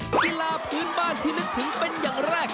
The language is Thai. กีฬาพื้นบ้านที่นึกถึงเป็นอย่างแรก